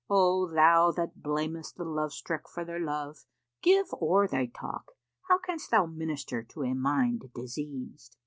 Oh! thou that blamest The love struck for their love, give o'er thy talk How canst thou minister to a mind diseased?"